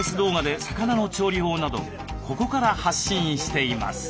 ここから発信しています。